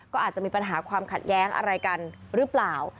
ก็อาจจะมีปัญหาความขัดแย้งอะไรกันหรือเปล่า